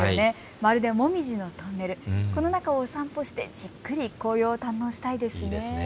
まるでもみじのトンネル、この中を散歩してじっくり紅葉を堪能したいですね。